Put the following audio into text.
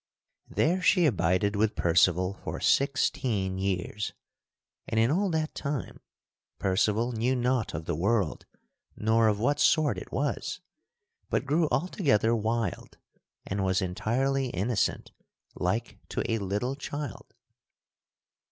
There she abided with Percival for sixteen years, and in all that time Percival knew naught of the world nor of what sort it was, but grew altogether wild and was entirely innocent like to a little child.